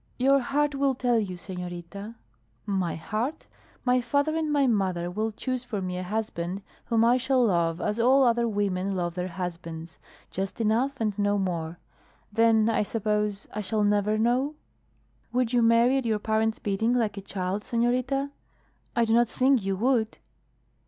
"Your heart will tell you, senorita." "My heart? My father and my mother will choose for me a husband whom I shall love as all other women love their husbands just enough and no more. Then I suppose I shall never know?" "Would you marry at your parents' bidding, like a child, senorita? I do not think you would."